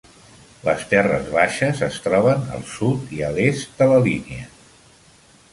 Les Terres baixes es troben al sud i al est de la línia.